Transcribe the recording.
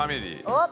おっ！